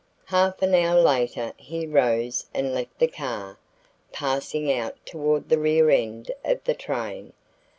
Half an hour later he arose and left the car, passing out toward the rear end of the train.